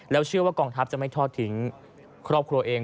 เชื่อว่ากองทัพจะไม่ทอดทิ้งครอบครัวเอง